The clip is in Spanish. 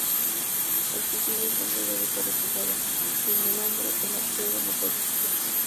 El suicidio, entonces, debe ser rechazado: sin el hombre, el absurdo no puede existir.